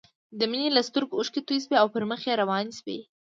د مينې له سترګو اوښکې توې شوې او پر مخ يې روانې شوې